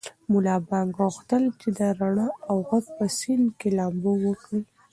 ملا بانګ غوښتل چې د رڼا او غږ په سیند کې لامبو وکړي.